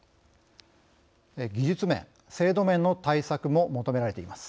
技術面・制度面の対策も求められています。